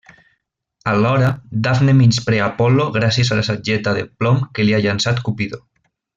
Alhora, Dafne menysprea Apol·lo gràcies a la sageta de plom que li ha llançat Cupido.